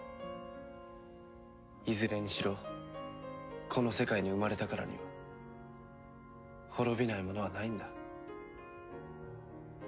いずれにしろこの世界に生まれたからには滅びないものはないんだ。